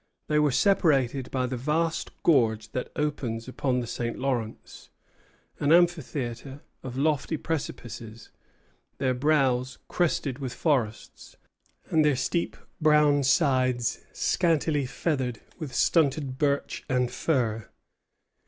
They were separated by the vast gorge that opens upon the St. Lawrence; an amphitheatre of lofty precipices, their brows crested with forests, and their steep brown sides scantily feathered with stunted birch and fir.